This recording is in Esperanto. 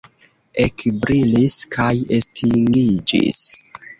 Ekbrilis kaj estingiĝis.